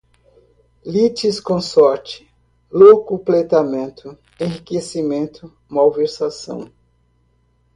litisconsorte, locupletamento, enriquecimento, malversação